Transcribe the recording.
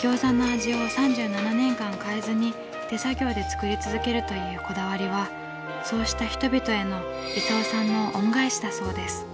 餃子の味を３７年間変えずに手作業で作り続けるというこだわりはそうした人々への功さんの恩返しだそうです。